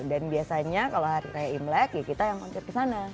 dan biasanya kalau hari kayak imlek ya kita yang ngontir ke sana